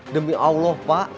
demi allah pak